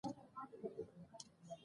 اداري اصلاح د پرمختګ اړتیا ده